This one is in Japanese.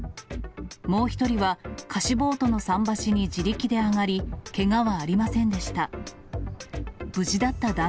もう１人は、貸しボートの桟橋に自力で上がり、けがはありませんでした。